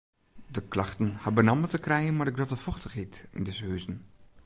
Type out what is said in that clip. De klachten ha benammen te krijen mei de grutte fochtichheid yn dizze huzen.